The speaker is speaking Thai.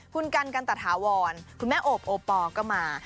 คุณกันกันตะถาวรคุณแม่โอบโอปอลก็มา